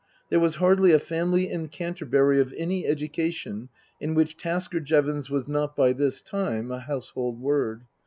There was hardly a family in Canterbury of any education in which Tasker Jevons was not by this time a household word.